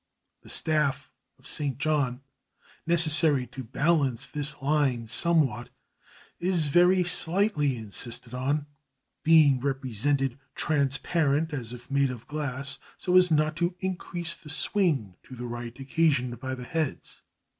The staff of St. John necessary to balance this line somewhat, is very slightly insisted on, being represented transparent as if made of glass, so as not to increase the swing to the right occasioned by the heads.